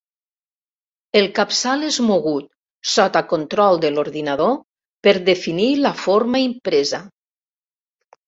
El capçal és mogut, sota control de l'ordinador, per definir la forma impresa.